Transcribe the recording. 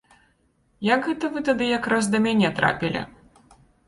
Як гэта вы тады якраз да мяне трапілі?